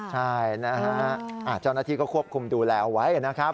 ใช่นะฮะเจ้าหน้าที่ก็ควบคุมดูแลไว้นะครับ